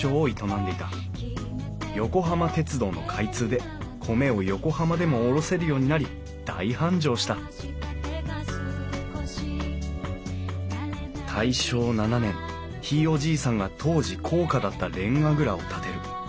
横浜鉄道の開通で米を横浜でも卸せるようになり大繁盛した大正７年ひいおじいさんが当時高価だったれんが蔵を建てる。